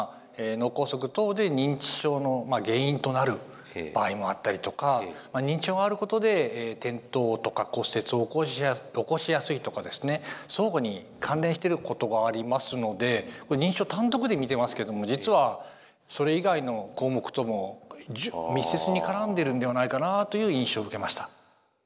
脳梗塞等で認知症の原因となる場合もあったりとか認知症があることで転倒とか骨折を起こしやすいとかですね相互に関連してることがありますのでこれ認知症単独で見てますけども実はそれ以外の項目とも密接に絡んでるんではないかなあという印象を受けました。